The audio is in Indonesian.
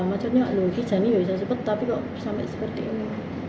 mas maksudnya loh gijani ya bisa cepet tapi kok sampai seperti ini